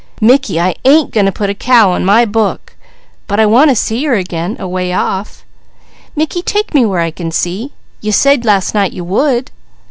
"Mickey, I ain't going to put a cow on my book; but I want to see her again, away off. Mickey, take me where I can see. You said last night you would."